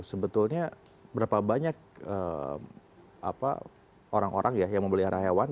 sebetulnya berapa banyak orang orang yang memelihara hewan